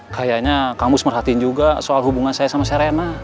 kayaknya kamus merhatiin juga soal hubungan saya sama serena